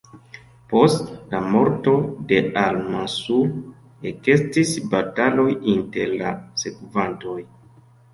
Post la morto de al-Mansur ekestis bataloj inter la sekvantoj.